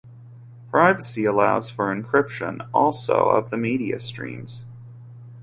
Privacy allows for encryption, also of the media streams.